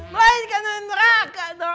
melainkan ke neraka